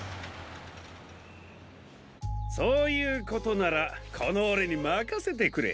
そういうことならこのオレにまかせてくれ！